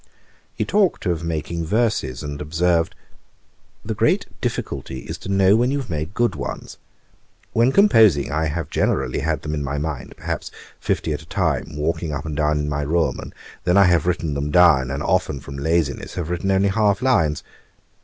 He talked of making verses, and observed, 'The great difficulty is to know when you have made good ones. When composing, I have generally had them in my mind, perhaps fifty at a time, walking up and down in my room; and then I have written them down, and often, from laziness, have written only half lines.